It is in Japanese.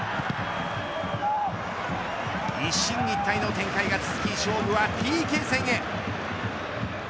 一進一退の展開が続き勝負はＰＫ戦へ。